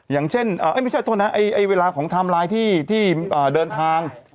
อย่างเช่นไม่ใช่โทษนะเวลาของไทม์ไลน์ที่เดินทาง